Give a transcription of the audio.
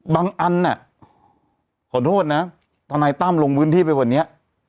บางอันเนี่ยขอโทษนะตอนนายต้ามลงบื้นที่ไปวันนี้